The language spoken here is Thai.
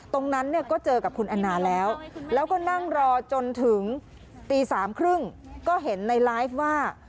ตรงนั้นเนี่ยก็เจอกับคุณแอนนาแล้วแล้วก็นั่งรอจนถึงตีสามครึ่งก็เห็นในไลฟ์ว่า